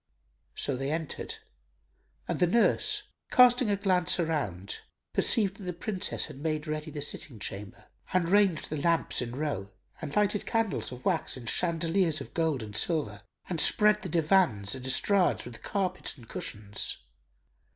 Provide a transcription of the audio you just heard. So they entered and the nurse, casting a glance around, perceived that the Princess had made ready the sitting chamber and ranged the lamps in row and lighted candles of wax in chandeliers of gold and silver and spread the divans and estrades with carpets and cushions.